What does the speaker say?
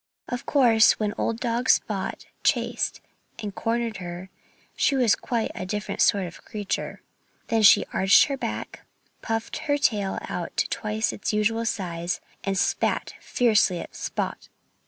Of course when old dog Spot chased and cornered her, she was quite a different sort of creature. Then she arched her back, puffed her tail out to twice its usual size, and spat fiercely at Spot.